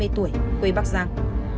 hai mươi tuổi quê bắc giang